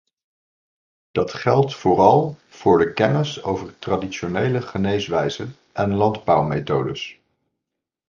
Dat geldt vooral voor de kennis over traditionele geneeswijzen en landbouwmethodes.